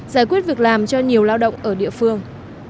giải quyết việc làm cho nhiều lao động ở địa phương